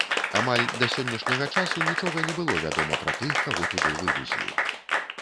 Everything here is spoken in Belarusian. Амаль да сённяшняга часу нічога не было вядома пра тых, каго туды вывезлі.